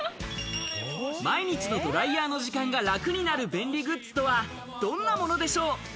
毎日のドライヤーの時間が楽になる、便利グッズとはどんなものでしょう？